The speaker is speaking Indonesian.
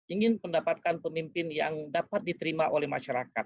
ingin mendapatkan pemimpin yang dapat diterima oleh masyarakat